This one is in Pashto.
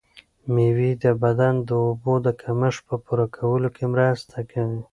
مېوې د بدن د اوبو د کمښت په پوره کولو کې مرسته کوي.